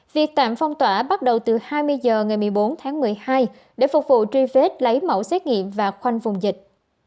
việc tạm phong tỏa bắt đầu từ hai mươi h ngày một mươi bốn tháng một mươi hai để phục vụ truy vết lấy mẫu xét nghiệm và khoanh vùng dịch